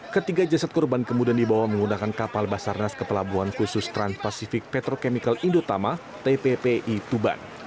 ketiga jasad korban kemudian dibawa menggunakan kapal basarnas ke pelabuhan khusus transpasifik petrochemical indotama tppi tuban